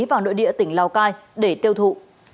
vào nội địa tỉnh lào cai để tiêu thụ